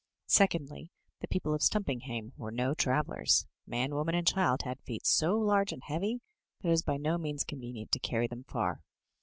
Sec ondly, the people of Stumpinghame were no travellers — man, woman, and child had feet so large and heavy that it was by no means convenient to carry them far.